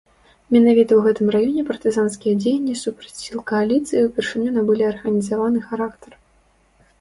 Менавіта ў гэтым раёне партызанскія дзеянні супраць сіл кааліцыі ўпершыню набылі арганізаваны характар.